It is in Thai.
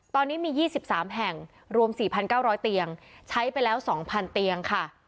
ตอนนี้มี๒๓แห่งรวม๔๙๐๐เตียงใช้ไปแล้ว๒๐๐เตียงค่ะ